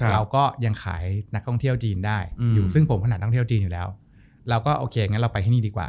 เราก็โอเคงั้นเราไปที่นี้ดีกว่า